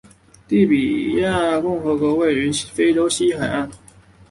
利比里亚共和国位于非洲西海岸。